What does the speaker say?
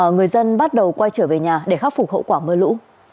người dân bắt đầu quay trở về nhà để khắc phục hậu quả mưa lũ